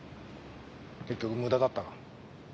結局無駄だったが。